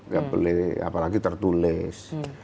nggak boleh apalagi tertulis